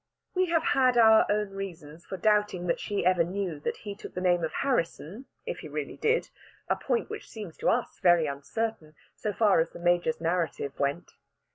We have had our own reasons for doubting that she ever knew that he took the name of Harrisson if he really did a point which seemed to us very uncertain, so far as the Major's narrative went.